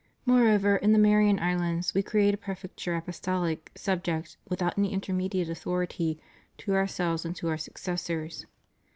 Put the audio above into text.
Moreover, in the Marian Islands, We create a Prefecture ApostoUc subject, without any intermediate authority, to Ourselves and to Our successors.